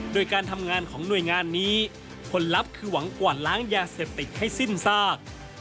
โดยการทำงานของหน่วยงานนี้ผลลัพธ์คือหวังกวาดล้างยาเสพติดให้สิ้นซาก